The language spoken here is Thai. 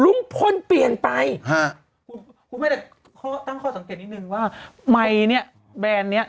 ลุงพลเปลี่ยนไปฮะคุณแม่แต่ข้อตั้งข้อสังเกตนิดนึงว่าไมค์เนี่ยแบรนด์เนี้ย